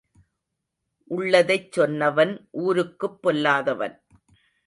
உள்ளதைச் சொன்னவன் ஊருக்குப் பொல்லாதவன்.